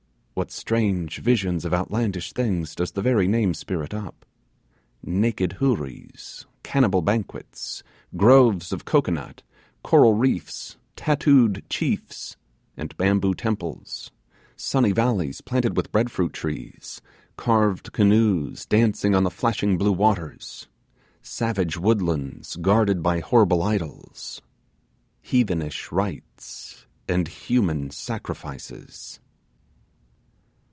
What strange visions of outlandish things does the very name spirit up! Naked houris cannibal banquets groves of cocoanut coral reefs tattooed chiefs and bamboo temples; sunny valleys planted with bread fruit trees carved canoes dancing on the flashing blue waters savage woodlands guarded by horrible idols HEATHENISH RITES AND HUMAN SACRIFICES.